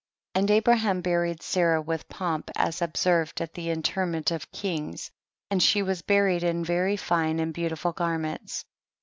13. And Abraham buried Sarah with pomp as observed at the inter ment of kings, and she was buried in very fine and beautiful garments.